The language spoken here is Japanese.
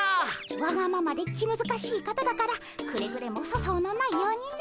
わがままで気むずかしい方だからくれぐれも粗相のないようにな。